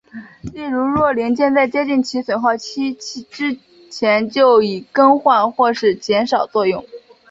例如若零件在接近其损耗期之前就已更换或是减少使用。